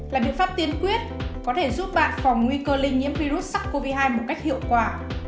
là biện pháp tiên quyết có thể giúp bạn phòng nguy cơ lây nhiễm virus sars cov hai một cách hiệu quả